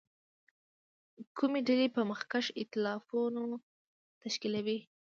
کومې ډلې به مخکښ اېتلافونه تشکیلوي.